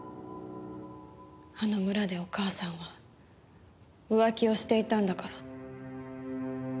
あの村でお母さんは浮気をしていたんだから。